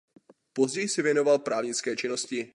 Později se věnoval právnické činnosti.